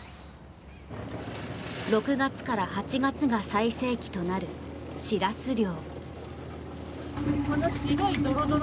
６月から８月が最盛期となるシラス漁。